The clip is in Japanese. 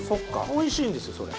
おいしいんですよそれ。